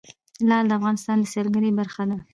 لعل د افغانستان د سیلګرۍ برخه ده.